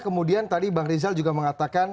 kemudian tadi bang rizal juga mengatakan